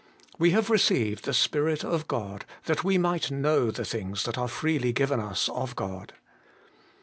'We have received the Spirit of God that we might know the things that are freely given us of God.'